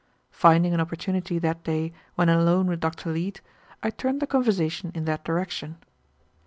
Finding an opportunity that day, when alone with Dr. Leete, I turned the conversation in that direction.